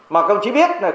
mà công chí biết là các ca f